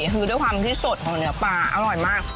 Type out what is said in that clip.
คือด้วยความที่สดของเนื้อปลาอร่อยมาก